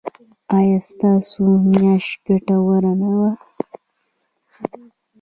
ایا ستاسو میاشت ګټوره نه وه؟